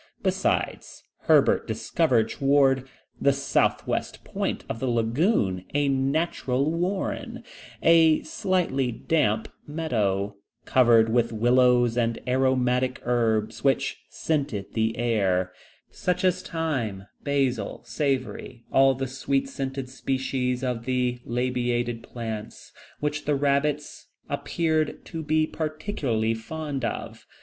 Besides, Herbert discovered towards the southwest point of the lagoon a natural warren, a slightly damp meadow, covered with willows and aromatic herbs which scented the air, such as thyme, basil, savory, all the sweet scented species of the labiated plants, which the rabbits appeared to be particularly fond of.